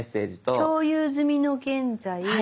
「共有済みの現在」。